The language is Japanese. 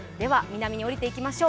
南に下りていきましょう。